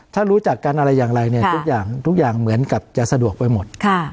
ถ้ารู้จักกันอะไรอย่างไรเนี่ยทุกอย่างทุกอย่างเหมือนกับจะสะดวกไปหมด